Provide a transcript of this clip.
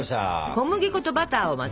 小麦粉とバターを混ぜます。